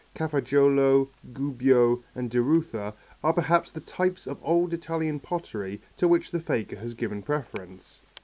Cafaggiolo, Gubbio and Derutha are perhaps the types of old Italian pottery to which the faker has given preference.